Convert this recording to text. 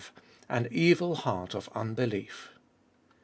AN EVIL HEART OF UNBELIEF.